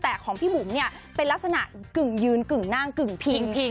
แต่ของพี่บุ๋มเนี่ยเป็นลักษณะกึ่งยืนกึ่งนั่งกึ่งพิง